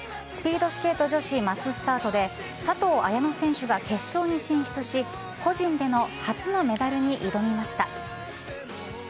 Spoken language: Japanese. スピードスケート女子マススタートで佐藤綾乃選手が決勝に進出し個人での初のメダルに挑みました。